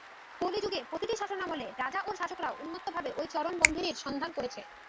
কলিযুগে, প্রতিটি শাসনামলে, রাজা ও শাসকরা উন্মত্তভাবে ওই চরণ-বন্ধনীের সন্ধান করেছে।